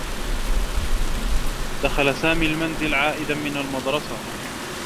دخل سامي المنزل عائدا من المدرسة.